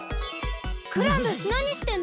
クラムなにしてんの？